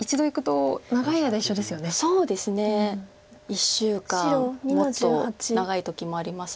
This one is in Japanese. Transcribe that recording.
１週間もっと長い時もあります